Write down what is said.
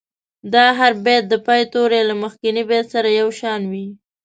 د هر بیت د پای توري له مخکني بیت سره یو شان وي.